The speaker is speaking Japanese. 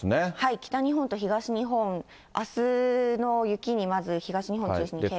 北日本と東日本、あすの雪にまず東日本中心に警戒が必要。